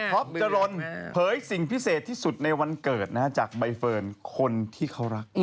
จรนเผยสิ่งพิเศษที่สุดในวันเกิดจากใบเฟิร์นคนที่เขารัก